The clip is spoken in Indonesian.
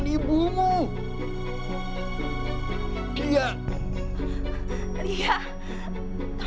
siapa harus maafis aku